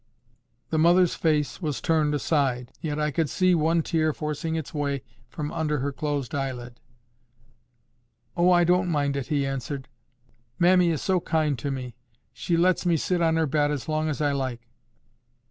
The mother's face was turned aside, yet I could see one tear forcing its way from under her closed eyelid. "Oh, I don't mind it," he answered. "Mammy is so kind to me! She lets me sit on her bed as long as I like."